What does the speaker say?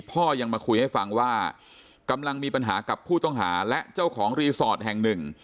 พ่อยังมาคุยให้ฟังว่ากำลังมีปัญหากับผู้ต้องหาและเจ้าของรีสอร์ทแห่งหนึ่ง